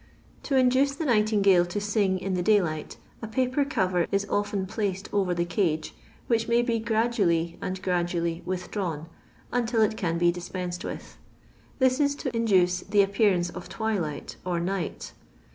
To induce the nightingale to sing in the daylight, a paper cover is often placed over the cngo, which may be gradually and gradually withdrawn until it&inbo dispensed with. This is to induce the appearance of twilight or night.